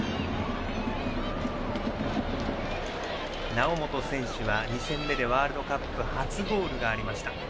猶本選手は２戦目でワールドカップ初ゴールがありました。